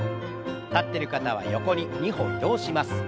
立ってる方は横に２歩移動します。